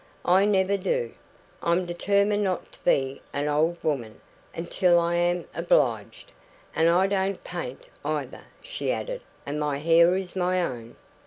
I never do. I'm determined not to be an old woman until I am obliged. And I don't paint, either," she added, "and my hair is my own."